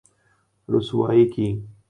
رسوائی کی‘‘۔